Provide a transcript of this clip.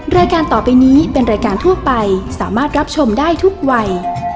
รายการต่อไปนี้เป็นรายการทั่วไปสามารถรับชมได้ทุกวัย